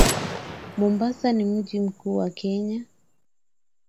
Mombasa ni mji mkuu wa Kenya